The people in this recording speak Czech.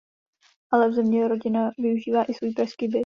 Ale v zimě rodina využívá i svůj pražský byt.